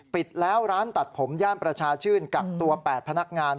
ปิดแล้วร้านตัดผมย่านประชาชื่นกักตัว๘พนักงาน